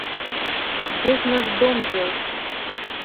Дзе ж наш дом дзеўся?